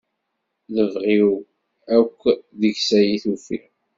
Lebɣi-w akk deg-s ay tufiɣ.